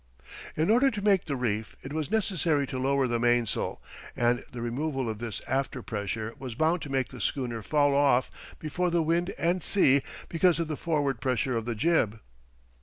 In order to make the reef, it was necessary to lower the mainsail, and the removal of this after pressure was bound to make the schooner fall off before the wind and sea because of the forward pressure of the jib.